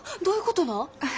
どういうことなん？